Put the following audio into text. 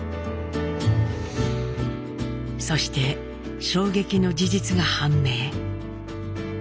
そして衝撃の事実が判明。